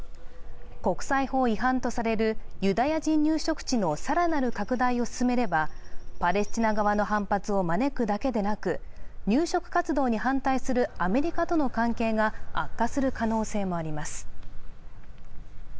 国際法違反とされるユダヤ人入植地の更なる拡大を進めれば、パレスチナ側の反発を招くだけでなく入植活動に反対するアメリカとの関係が悪化する可能性もあります。